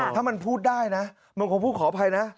ถ้ามันพูดได้นะมันคงพูดขออภัยนะ